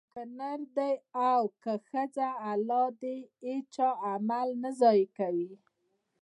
که نر دی او که ښځه؛ الله د هيچا عمل نه ضائع کوي